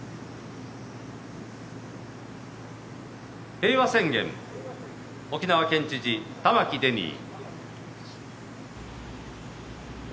平和宣言沖縄県知事、玉城デニー。